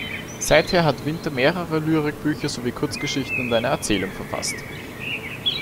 Seither hat Winter mehrere Lyrik-Bücher sowie Kurzgeschichten und eine Erzählung verfasst.